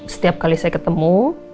setiap kali saya ketemu